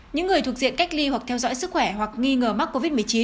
những người thuộc diện cách ly hoặc theo dõi sức khỏe hoặc nghi ngờ mắc covid một mươi chín